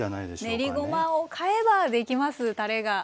練りごまを買えばできますたれが。